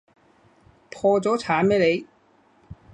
破咗產咩你？